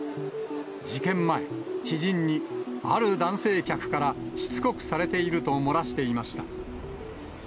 事件前、知人に、ある男性客からしつこくされていると漏らしていました。